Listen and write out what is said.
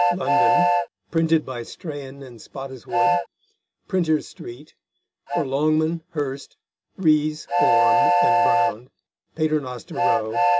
London: Printed by Strahan and Spottiswoode, Printers Street: for Longman, Hurst, Rees, Orme and Brown, Paternoster Row_.